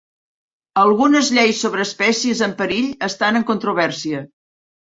Algunes lleis sobre espècies en perill estan en controvèrsia.